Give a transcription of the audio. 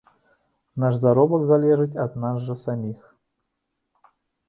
Наш заробак залежыць ад нас жа саміх.